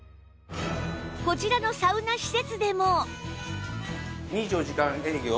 こちらのサウナ施設でも